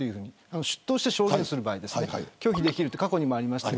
出頭して証言をする場合は拒否ができるというのが過去にもありました。